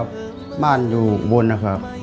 ผมอยู่บนนะครับ